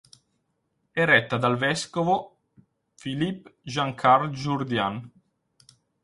È retta dal vescovo Philippe Jean-Charles Jourdan.